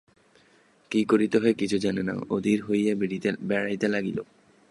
কী করিতে হয় কিছুই জানে না, অধীর হইয়া বেড়াইতে লাগিল।